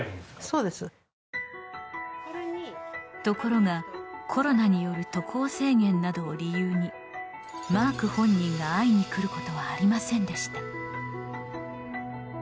ところが、コロナによる渡航制限などを理由にマーク本人が会いに来ることはありませんでした。